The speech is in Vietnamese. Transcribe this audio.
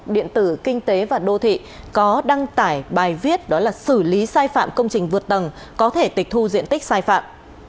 điện tử kinh tế và đô thị có đăng tải bài viết đó là xử lý sai phạm công trình vượt tầng có thể tịch thu diện tích sai phạm